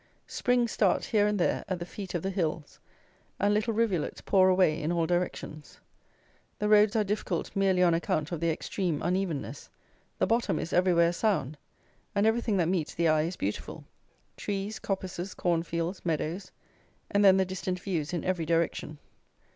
Springs start here and there at the feet of the hills; and little rivulets pour away in all directions. The roads are difficult merely on account of their extreme unevenness; the bottom is everywhere sound, and everything that meets the eye is beautiful; trees, coppices, corn fields, meadows; and then the distant views in every direction.